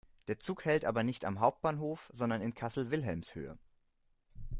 Der Zug hält aber nicht am Hauptbahnhof, sondern in Kassel-Wilhelmshöhe.